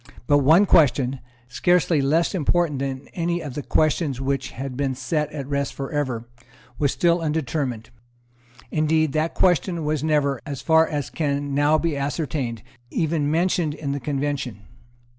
But one question, scarcely less important than any of the questions which had been set at rest for ever, was still undetermined. Indeed, that question was never, as far as can now be ascertained, even mentioned in the Convention.